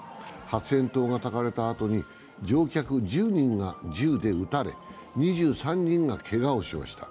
発煙筒がたかれた後に乗客１０人が銃で撃たれ、２３人がけがをしました。